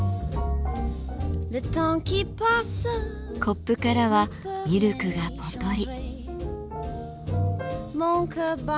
コップからはミルクがぽとり。